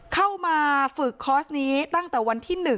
เข้ามาฝึกคอร์สนี้ตั้งแต่วันที่๑